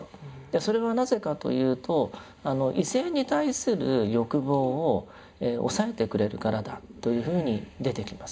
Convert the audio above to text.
それはなぜかというと異性に対する欲望を抑えてくれるからだというふうに出てきます。